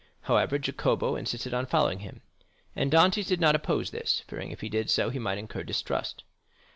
However, Jacopo insisted on following him, and Dantès did not oppose this, fearing if he did so that he might incur distrust.